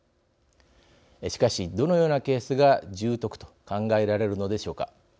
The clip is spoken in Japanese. しかし、どのようなケースが重篤と考えられるのでしょうか。